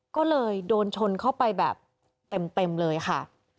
ก็เลยโดนชนเข้าไปแบบเต็มเลยค่ะ